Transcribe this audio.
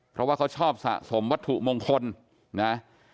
เพราะว่าเขาชอบสะสมวัตถุมงคลนะ